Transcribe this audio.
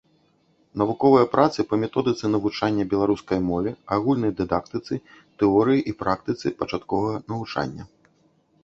Навуковыя працы па методыцы навучання беларускай мове, агульнай дыдактыцы, тэорыі і практыцы пачатковага навучання.